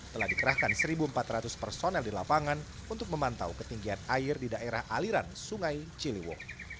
telah dikerahkan satu empat ratus personel di lapangan untuk memantau ketinggian air di daerah aliran sungai ciliwung